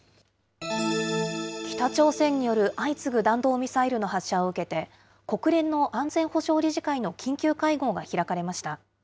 北朝鮮による相次ぐ弾道ミサイルの発射を受けて、国連の安全保障理事会の緊急会合が開かれました。